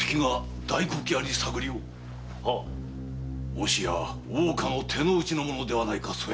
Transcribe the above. もしやそやつは大岡の手の内の者ではないか？